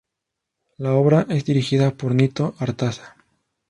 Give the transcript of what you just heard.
La obra es dirigida por Nito Artaza.